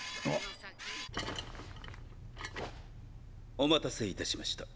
お待たせいたしました。